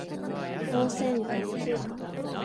ホウセンカ